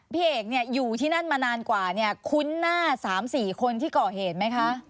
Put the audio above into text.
พี่เอกเนี่ยอยู่ที่นั่นมานานกว่าเนี่ยคุ้นหน้า๓๔คนที่ก่อเหตุไหมคะ